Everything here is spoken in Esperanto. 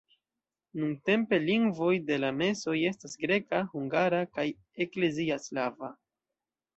Nuntempe lingvoj de la mesoj estas greka, hungara kaj eklezia slava.